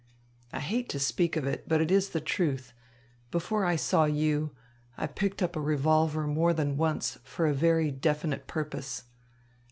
I hate to speak of it, but it is the truth before I saw you, I picked up a revolver more than once for a very definite purpose.